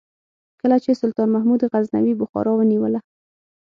کله چې سلطان محمود غزنوي بخارا ونیوله.